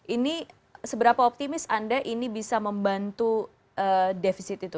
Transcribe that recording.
ini seberapa optimis anda ini bisa membantu defisit itu